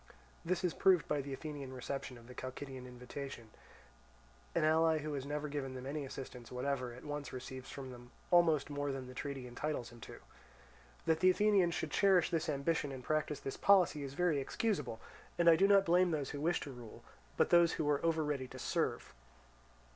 This is proved by the Athenian reception of the Chalcidian invitation: an ally who has never given them any assistance whatever, at once receives from them almost more than the treaty entitles him to. That the Athenians should cherish this ambition and practise this policy is very excusable; and I do not blame those who wish to rule, but those who are over ready to serve.